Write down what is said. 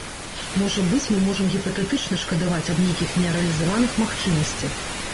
Можа быць, мы можам гіпатэтычна шкадаваць аб нейкіх нерэалізаваных магчымасцях.